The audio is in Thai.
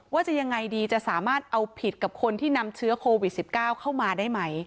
ว่าจะยังไงดีจะสามารถเอาผิดกับคนที่นำเชื้อโควิด๑๙เข้ามาได้ไหม